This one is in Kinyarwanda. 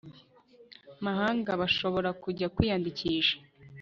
mahanga bashobora kujya kwiyandikisha